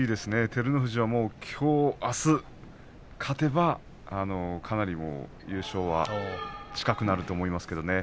照ノ富士は、きょう、あす勝てばかなり優勝は近くなると思いますけれどね。